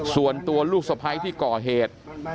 ส่วนตัวลูกสะพ้ายที่ก่อเหตุ